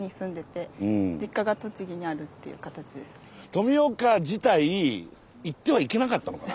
富岡自体行ってはいけなかったのかな？